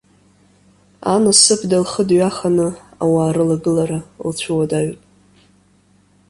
Анасыԥда лхы дҩаханы ауаа рылагылара лцәыуадаҩуп.